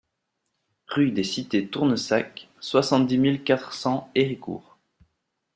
Rue des Cités Tournesac, soixante-dix mille quatre cents Héricourt